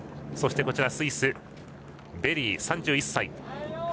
そしてスイスのベリー、３１歳。